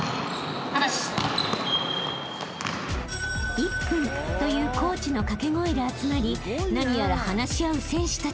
［「１分」というコーチの掛け声で集まり何やら話し合う選手たち］